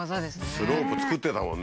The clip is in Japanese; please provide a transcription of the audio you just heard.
スロープ作ってたもんね。